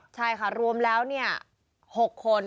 ใช่ค่ะรวมแล้ว๖คน